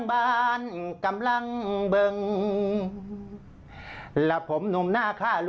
ไปชมกันด้วยค่ะ